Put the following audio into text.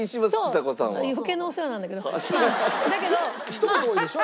ひと言多いでしょ？